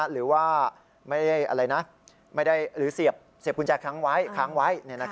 หรือเสียบกุญแจค้างไว้